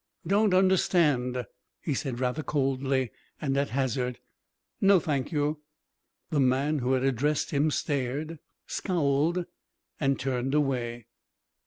"Don't understand," he said rather coldly, and at hazard, "No, thank you." The man who had addressed him stared, scowled, and turned away.